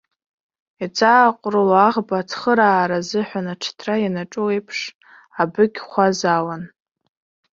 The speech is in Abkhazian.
Иҵааҟәрыло аӷба ацхыраара азыҳәан аҿҭра ианаҿу еиԥш, абыкь хәаазаауан.